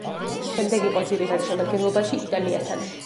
შემდეგ იყო ძირითად შემადგენლობაში იტალიასთან.